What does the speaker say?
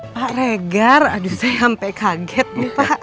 pak regar aduh saya sampai kaget nih pak